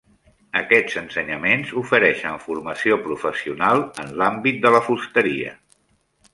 Aquests ensenyaments ofereixen formació professional en l'àmbit de la fusteria.